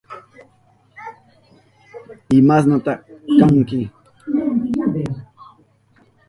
¿Imashnata kanki?